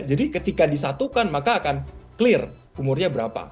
jadi ketika disatukan maka akan clear umurnya berapa